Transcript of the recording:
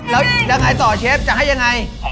แล้วยังไงต่อเชฟจะให้ยังไง